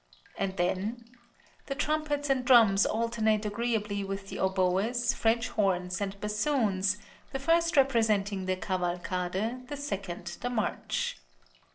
And then: The trumpets and drums alternate agreeably with the oboes, French horns, and bassoons, the first representing the cavalcade, the second the march.